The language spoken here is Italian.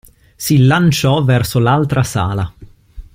Si lanciò verso l'altra sala.